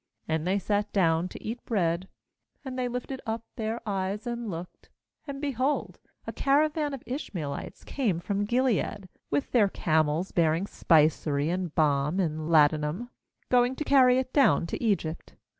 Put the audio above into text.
^And they sat down to eat bread; and they lifted up their eyes and looked, and, behold, a caravan of Ishmaelites came from Gilead, with their camels bearing spicery and balm and ladanum, going to carry it down to Egypt.